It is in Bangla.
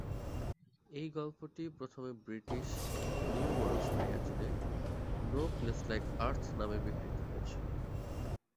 এই গল্পটি প্রথমে ব্রিটিশ "নিউ ওয়ার্ল্ডস" ম্যাগাজিনে "নো প্লেস লাইক আর্থ" নামে বিক্রিত হয়েছিল।